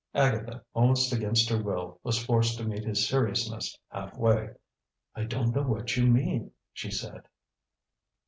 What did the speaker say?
Agatha, almost against her will, was forced to meet his seriousness half way. "I don't know what you mean," she said.